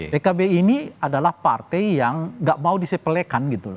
pkb ini adalah partai yang gak mau disepelekan gitu loh